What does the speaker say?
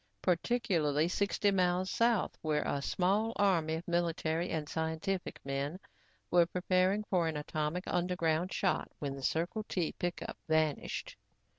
Particularly sixty miles south where a small army of military and scientific men were preparing for an atomic underground shot when the Circle T pickup vanished.